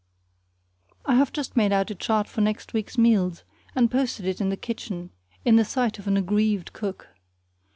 I have just made out a chart for next week's meals, and posted it in the kitchen in the sight of an aggrieved cook.